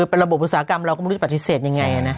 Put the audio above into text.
เป็นระบบอุตสาหกรรมเราก็ไม่รู้จะปฏิเสธยังไงนะ